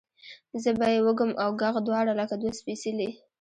زه به یې وږم اوږغ دواړه لکه دوه سپیڅلي،